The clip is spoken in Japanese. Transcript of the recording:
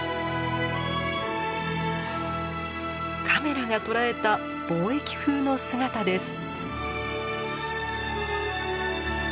カメラが捉えた貿易風の姿です。